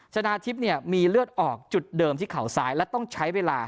ชนะทิพย์มีเลือดออกจุดเดิมที่เข่าซ้ายและต้องใช้เวลา